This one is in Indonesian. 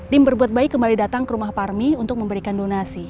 tim berbuat baik kembali datang ke rumah parmi untuk memberikan donasi